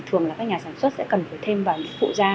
thường các nhà sản xuất sẽ cần phải thêm vào những phụ ra